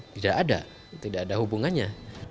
tidak ada tidak ada hubungannya